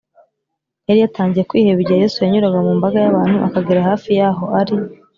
yari atangiye kwiheba igihe yesu yanyuraga mu mbaga y’abantu akagera hafi y’aho ari